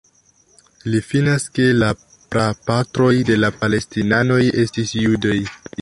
Li finas ke la prapatroj de la Palestinanoj estis judoj.